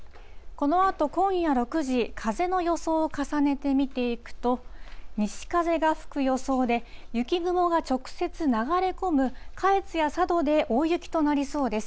このあと今夜６時、風の予想を重ねて見ていくと、西風が吹く予想で、雪雲が直接流れ込む下越や佐渡で大雪となりそうです。